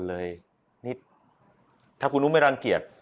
โอเค